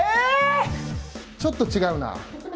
ちょっと違うな。